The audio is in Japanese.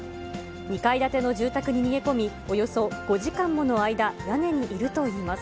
２階建ての住宅に逃げ込み、およそ５時間もの間、屋根にいるといいます。